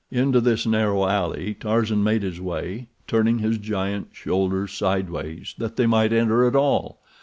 Into this narrow alley Tarzan made his way, turning his giant shoulders sideways that they might enter at all.